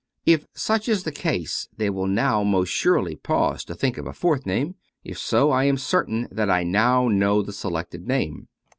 If such is the case they will now most surely pause to think of a fourth name. If so, I am certain that I now know the selected name.